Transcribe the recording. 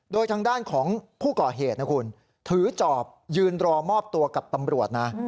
โดยทางด้านของผู้ก่อเหตุนะคุณถือจอบยืนรอมอบตัวกับตำรวจนะ